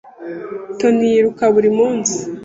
Tony yiruka buri munsi.